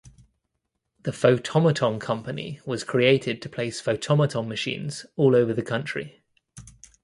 The Photomaton Company was created to place Photomaton machines all over the country.